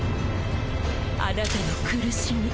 あなたの苦しみ！